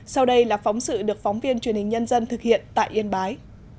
sau đây là phóng sự được phóng viên truyền hình nhân dân thực hiện tại yên bái